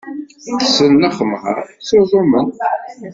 Tessen lexmeṛ, ttuẓumen.